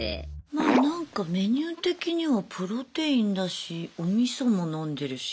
まあなんかメニュー的にはプロテインだしおみそも飲んでるし。